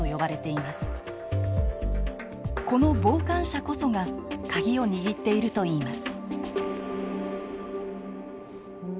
この傍観者こそがカギを握っているといいます。